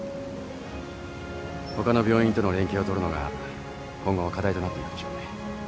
他の病院との連携を取るのが今後は課題となっていくでしょうね。